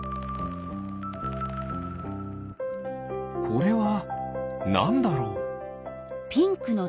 これはなんだろう？